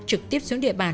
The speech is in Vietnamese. trực tiếp xuống địa bàn